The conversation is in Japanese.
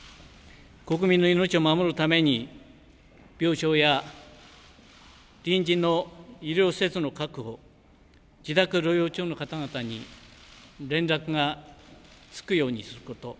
国民の命を守るために病床や臨時の医療施設の確保、自宅療養中の方々に連絡がつくようにすること。